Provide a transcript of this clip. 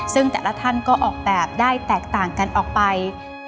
ซึ่งแต่ละท่านก็ออกแบบได้แตกต่างกันออกไป